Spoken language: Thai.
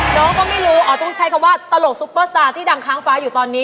น้องก็ไม่รู้อ๋อต้องใช้คำว่าตลกซุปเปอร์สตาร์ที่ดังค้างฟ้าอยู่ตอนนี้